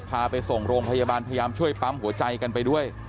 พาไปส่งโรงพยาบาลพยายามช่วยปั๊มหัวใจกันไปด้วย